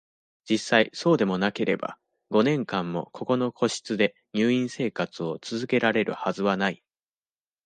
実際、そうでもなければ、五年間も、ここの個室で、入院生活を続けられるはずはない。